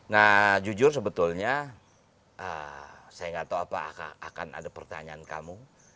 nah jujur sebetulnya saya nggak tahu apa akan ada pertanyaan kamu